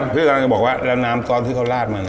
พี่กำลังจะบอกว่าแล้วน้ำซอสที่เขาลาดมา